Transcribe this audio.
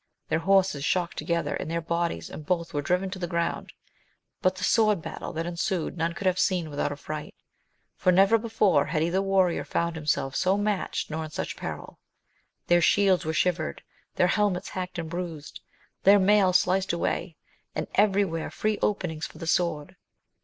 Their horses shocked together and their bodies, and both were driven to the ground ; but the sword battle that ensued none could have seen without affright, for never before had either warrior found him self so matched nor in such peril ; their shields were shivered, their helmets hacked and bruised, their mail sliced away, and every where free openings for the sword.